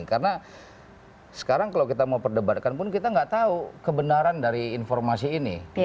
karena sekarang kalau kita mau perdebatkan pun kita gak tahu kebenaran dari informasi ini